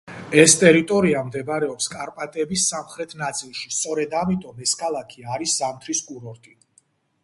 ეს ტერიტორია მდებარეობს კარპატების სამხრეთ ნაწილში, სწორედ ამიტომ ეს ქალაქი არის ზამთრის კურორტი.